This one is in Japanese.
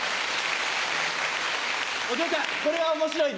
お嬢ちゃんこれは面白い？